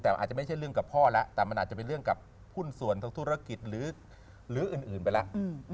แต่อาจจะไม่ใช่เรื่องกับพ่อแล้วแต่มันอาจจะเป็นเรื่องกับหุ้นส่วนทางธุรกิจหรืออื่นไปแล้ว